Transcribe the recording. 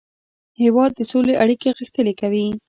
هېواد د سولې اړیکې غښتلې کوي.